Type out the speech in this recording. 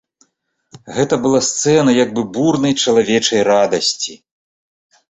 Гэта была сцэна як бы бурнай чалавечай радасці.